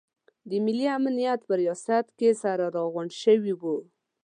د ملي امنیت په ریاست کې سره راغونډ شوي وو.